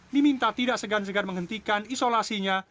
diminta tidak segan segan menghentikan isolasinya